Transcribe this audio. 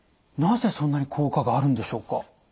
なぜそんなに効果があるんでしょうか？